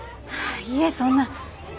いえそんな。